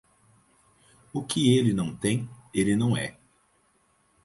O que ele não tem, ele não é.